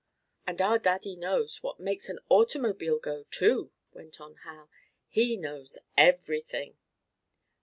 "And our Daddy knows what makes an automobile go, too," went on Hal. "He knows everything."